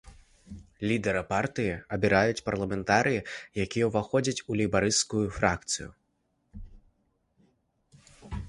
Лідара партыі абіраюць парламентарыі, якія ўваходзяць у лейбарысцкую фракцыю.